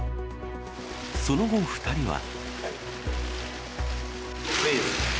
その後２人は。